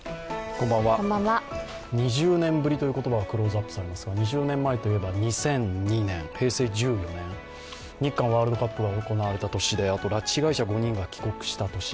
２０年ぶりという言葉がクローズアップされますが２０年前といえば２００２年平成１４年日韓ワールドカップが行われた年であと拉致被害者５人が帰国した年。